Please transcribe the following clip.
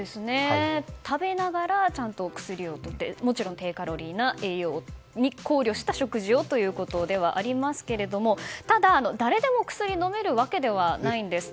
食べながらちゃんと薬をとってもちろん低カロリーの栄養に考慮した食事をということですがただ、誰でも飲めるわけではないんです。